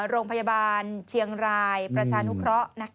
โรงพยาบาลเชียงรายประชานุเคราะห์